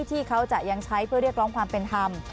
ที่เขาจะยังใช้เพื่อเรียกร้องความเป็นธรรม